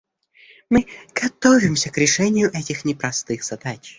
Мы готовимся к решению этих непростых задач.